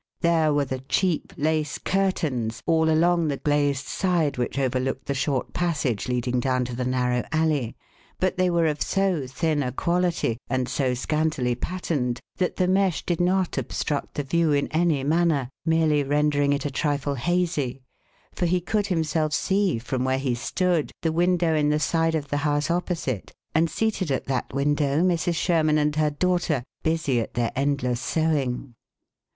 There were the cheap lace curtains all along the glazed side which overlooked the short passage leading down to the narrow alley, but they were of so thin a quality, and so scantily patterned, that the mesh did not obstruct the view in any manner, merely rendering it a trifle hazy; for he could himself see from where he stood the window in the side of the house opposite, and, seated at that window, Mrs. Sherman and her daughter, busy at their endless sewing.